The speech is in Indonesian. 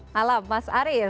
malam mas arief